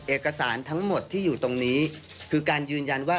เอกสารทั้งหมดที่อยู่ตรงนี้คือการยืนยันว่า